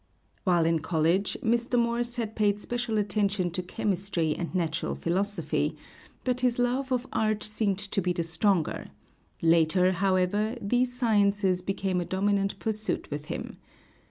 While in college Mr. Morse had paid special attention to chemistry and natural philosophy; but his love of art seemed to be the stronger; later, however, these sciences became a dominant pursuit with him.